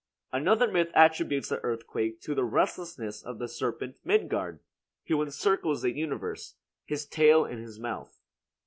Another myth attributes the earthquake to the restlessness of the serpent Midgard, who encircles the universe, his tail in his mouth.